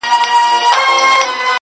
مينه مني ميني څه انكار نه كوي~